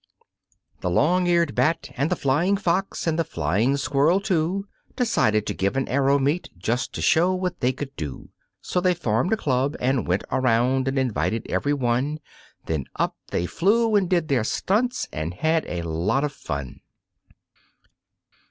The Long Eared Bat and the Flying Fox and the Flying Squirrel, too, Decided to give an aero meet just to show what they could do. So they formed a club and went around and invited everyone, Then up they flew and did their stunts, and had a lot of fun.